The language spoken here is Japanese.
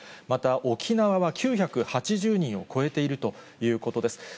また、沖縄は９８０人を超えているということです。